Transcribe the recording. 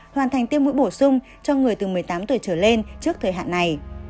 hoàn thành tiêm mũi bổ sung cho người từ một mươi tám tuổi trở lên trước thời hạn này